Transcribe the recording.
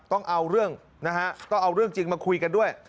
ต้องเอาเรื่องจริงมาคุยกันด้วย